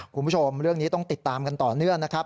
คุณผู้ชมเรื่องนี้ต้องติดตามกันต่อเนื่องนะครับ